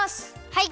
はい！